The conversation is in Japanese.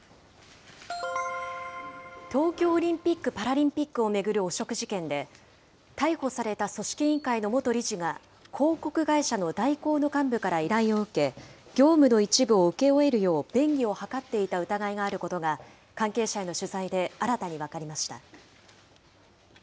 東京オリンピック・パラリンピックを巡る汚職事件で、逮捕された組織委員会の元理事が広告会社の大広の幹部から依頼を受け、業務の一部を請け負えるよう便宜を図っていた疑いがあることが、関係者への取材で新たに分かりました。